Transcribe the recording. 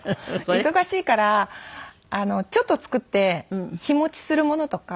忙しいからちょっと作って日持ちするものとか。